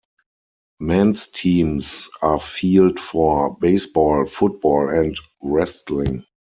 Men's teams are field for baseball, football and wrestling.